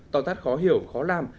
to tát khó hiểu khó làm